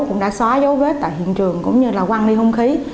cũng đã xóa giấu vết tại hiện trường cũng như là quăng đi hung khí